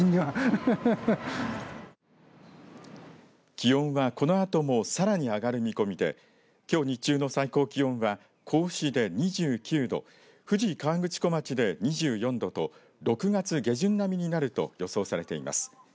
気温はこのあともさらに上がる見込みできょう日中の最高気温は甲府市で２９度富士河口湖町で２４度と６月下旬並みになると予想されています。